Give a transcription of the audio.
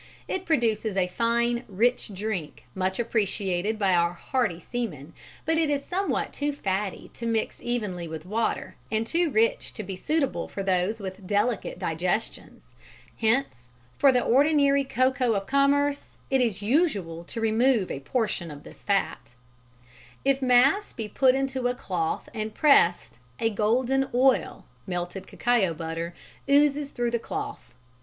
It produces a fine rich drink much appreciated by our hardy seamen, but it is somewhat too fatty to mix evenly with water, and too rich to be suitable for those with delicate digestions. Hence for the ordinary cocoa of commerce it is usual to remove a portion of this fat. [Illustration: A CACAO PRESS. Reproduced by permission of Messrs. Lake, Orr & Co., Ltd.] If "mass" be put into a cloth and pressed, a golden oil (melted cacao butter) oozes through the cloth.